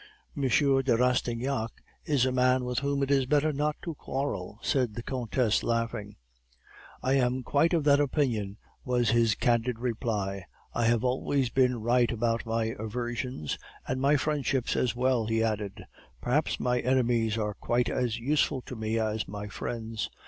"'M. de Rastignac is a man with whom it is better not to quarrel,' said the countess, laughing. "'I am quite of that opinion,' was his candid reply. 'I have always been right about my aversions and my friendships as well,' he added. 'Perhaps my enemies are quite as useful to me as my friends.